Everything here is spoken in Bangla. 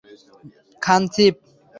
খান, চিফ।